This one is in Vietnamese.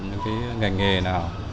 những cái nghề nào